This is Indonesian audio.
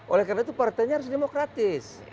oleh karena itu partainya harus demokratis